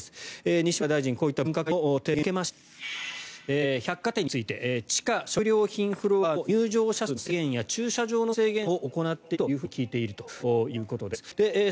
西村大臣、こういった分科会の提言を受けまして百貨店について地下食料品フロアの入場者数の制限や駐車場の制限を行っていくというふうに聞いているということです。